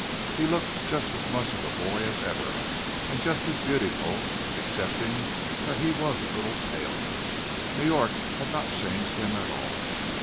He looked just as much of a boy as ever, and just as beautiful; excepting that he was a little paler, New York had not changed him at all.